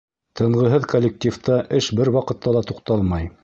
Тынғыһыҙ коллективта эш бер ваҡытта ла туҡталмай.